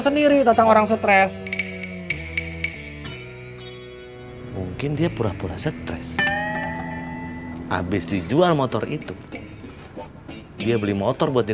sendiri tentang orang stres mungkin dia pura pura stres habis dijual motor itu dia beli motor buat dia